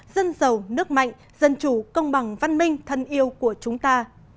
dân giàu nước mạnh dân chủ công bằng văn minh thân yêu của chúng ta